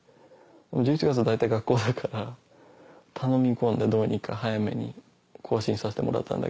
１１月は大体学校だから頼み込んでどうにか早めに更新させてもらったんだけど。